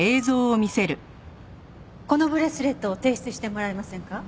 このブレスレットを提出してもらえませんか？